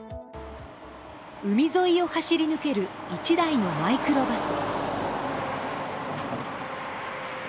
海沿いを走り抜ける、一台のマイクロバス。